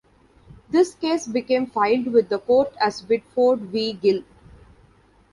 This case became filed with the court as Whitford v Gill.